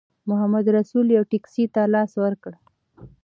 محمدرسول یوې ټیکسي ته لاس ورکړ.